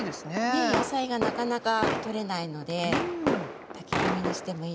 ねえ野菜がなかなか取れないので炊き込みにしてもいいですよね。